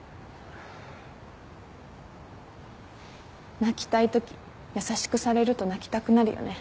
泣きたいとき優しくされると泣きたくなるよね。